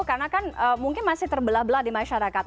karena kan mungkin masih terbelah belah di masyarakat